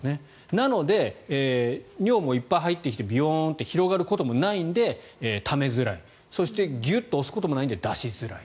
なので、尿もいっぱい入ってきてビヨーンって広がることもないのでためづらいそして、ギュッと押すこともないので出しづらい。